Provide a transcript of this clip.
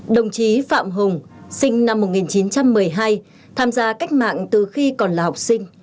đồng chí phạm hùng sinh năm một nghìn chín trăm một mươi hai tham gia cách mạng từ khi còn là học sinh